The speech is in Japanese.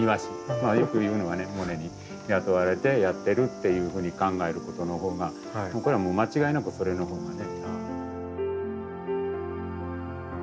よく言うのはねモネに雇われてやってるっていうふうに考えることのほうが僕らも間違いなくそれのほうがね。